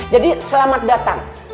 jadi selamat datang